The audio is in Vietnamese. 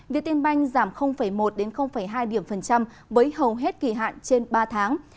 vietinbank giảm một hai điểm phần trăm với hầu hết kỳ hạn trên ba tháng